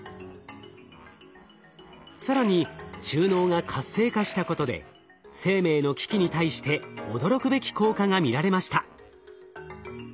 更に中脳が活性化したことで生命の危機に対して驚くべき効果が見られました。